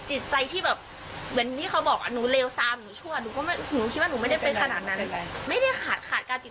ใช่ค่ะไม่มีแต่หนูให้เขาพูดสุดท้ายก็คือสิ้นเดือนนี้จะให้